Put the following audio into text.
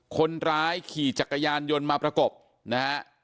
คนร้ายขี่จักรยานยนต์มาประกบนะฮะ